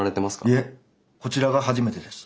いえこちらが初めてです。